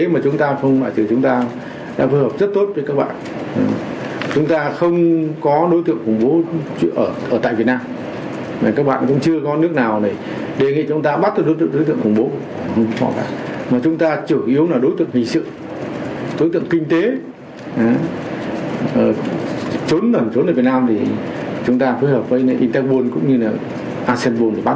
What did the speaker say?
mà chúng ta chủ yếu là đối tượng hình sự đối tượng kinh tế trốn ở việt nam thì chúng ta phối hợp với interpol cũng như là aseanpol để bắt